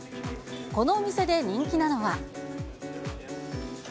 このお店で人気なのは。